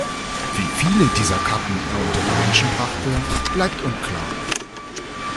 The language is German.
Wie viele dieser Karten er unter die Menschen brachte, bleibt unklar.